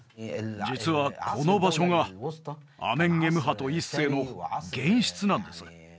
実はこの場所がアメンエムハト１世の玄室なんです